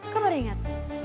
kamu baru ingat